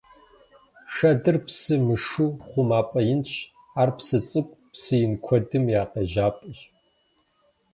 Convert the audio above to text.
Шэдыр псы мышыу хъумапӀэ инщ, ар псы цӀыкӀу, псы ин куэдым я къежьапӀэщ.